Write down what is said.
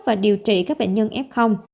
và điều trị các bệnh nhân f